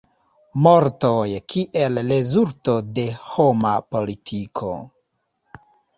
Mortoj kiel rezulto de homa politiko.